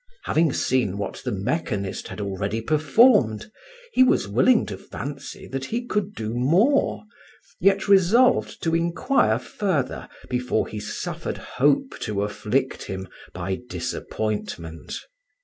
Having seen what the mechanist had already performed, he was willing to fancy that he could do more, yet resolved to inquire further before he suffered hope to afflict him by disappointment.